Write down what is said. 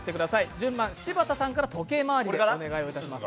順番、柴田さんから時計回りでお願いいたします。